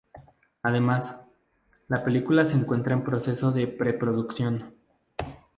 Además, la película se encuentra en proceso de pre-producción.